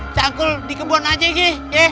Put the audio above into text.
cangkul di kebun aja gitu